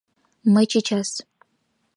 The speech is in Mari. — Мый чечас!